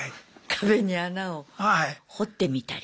壁に穴を掘ってみたりとか。